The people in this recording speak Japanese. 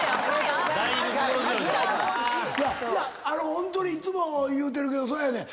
ホントにいつも言うてるけどそやねん。